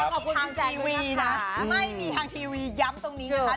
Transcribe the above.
บอกทางทีวีนะไม่มีทางทีวีย้ำตรงนี้นะคะ